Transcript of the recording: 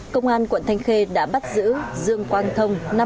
công an quận thanh khê đã bắt giữ dương quang thông